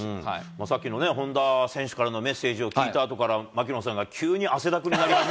さっきの本田選手からのメッセージを聞いたあとから、槙野さんが急に汗だくになり始めて。